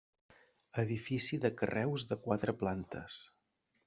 Edifici de carreus de quatre plantes.